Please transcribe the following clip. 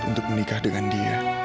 untuk menikah dengan dia